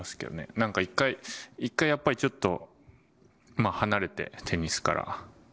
なんか一回、一回やっぱりちょっと離れて、テニスから。